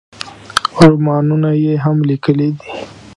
رومانونه یې هم لیکلي دي.